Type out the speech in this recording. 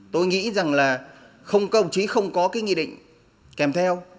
tôi nghĩ rằng là công chí không có cái nghị định kèm theo